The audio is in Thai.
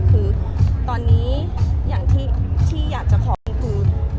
คือตอนนี้อย่างที่อยากจะขอมีคือ